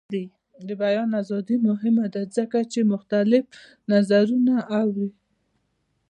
د بیان ازادي مهمه ده ځکه چې مختلف نظرونه اوري.